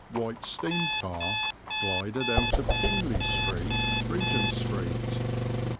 White steam car glided out of Kingly Street, Regent Street.